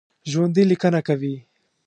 ژوندي لیکنه کوي